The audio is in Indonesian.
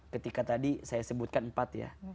ketika tadi saya sebutkan empat ya